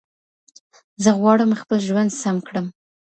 زه غواړم خپل ژوند سم کړم.